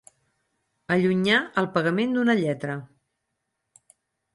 Allunyar el pagament d'una lletra.